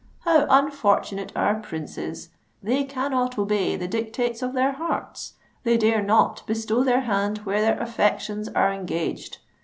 How unfortunate are princes! They cannot obey the dictates of their hearts—they dare not bestow their hand where their affections are engaged.